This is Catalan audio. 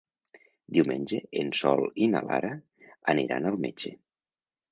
Diumenge en Sol i na Lara aniran al metge.